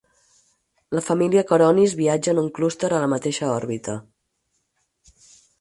La família Coronis viatja en un clúster a la mateixa òrbita.